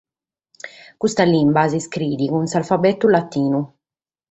Custa limba s’iscriet cun s’alfabetu latinu.